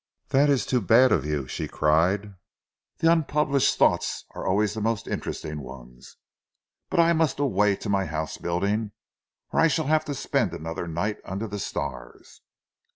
"That is too bad of you," she cried. "The unpublished thoughts are always the most interesting ones.... But I must away to my house building or I shall have to spend another night under the stars."